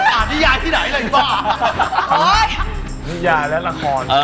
อ่านนิยายที่ไหนล่ะไอ้ป้า